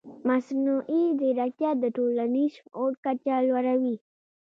مصنوعي ځیرکتیا د ټولنیز شعور کچه لوړوي.